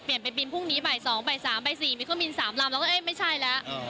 เปลี่ยนไปบินพรุ่งนี้บ่ายสองบ่ายสามบ่ายสี่มีเครื่องบินสามลำแล้วก็เอ้ยไม่ใช่แล้ว